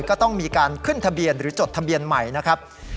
ก็ต้องมีการขึ้นทะเบียนหรือจดทะเบียนใหม่นะครับ